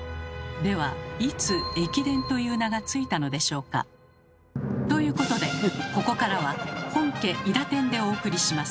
ではいつ「駅伝」という名が付いたのでしょうか？ということでここからは本家「いだてん」でお送りします。